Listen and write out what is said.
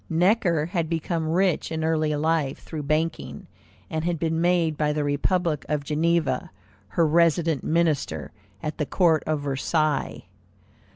Necker had become rich in early life through banking, and had been made, by the republic of Geneva, her resident minister at the Court of Versailles.